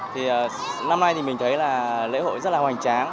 thì năm nay thì mình thấy là lễ hội rất là hoành tráng